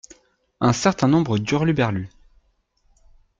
Un certains nombre d’hurluberlus.